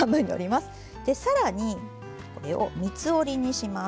で更にこれを３つ折りにします。